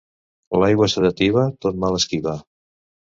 L'aigua sedativa, tot mal esquiva.